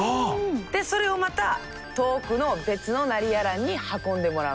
でそれをまた遠くの別のナリヤランに運んでもらうの。